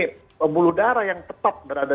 pembuluh darah yang tetap berada